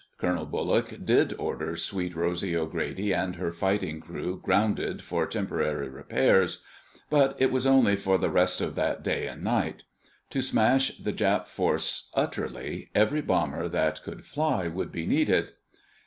Colonel Bullock did order Sweet Rosy O'Grady and her fighting crew grounded for temporary repairs. But it was only for the rest of that day and night. To smash the Jap task force utterly, every bomber that could fly would be needed.